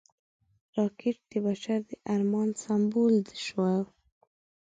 راکټ د بشر د ارمان سمبول شو